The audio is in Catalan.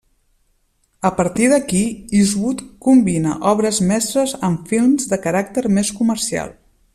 A partir d'aquí Eastwood combina obres mestres amb films de caràcter més comercial.